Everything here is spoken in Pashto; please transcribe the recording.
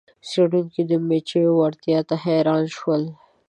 څیړونکي د مچیو وړتیا ته حیران شول.